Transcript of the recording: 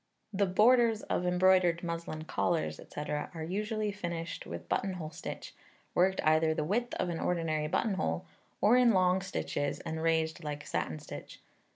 The borders of embroidered muslin collars, &c., are usually finished with buttonhole stitch, worked either the width of an ordinary buttonhole, or in long stitches, and raised like satin stitch.